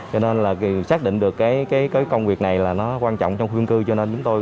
cho nên là xác định được cái công việc này là nó quan trọng trong khuôn cư cho nên chúng tôi